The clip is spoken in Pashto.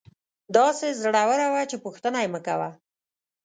داسې زړوره وه چې پوښتنه یې مکوه.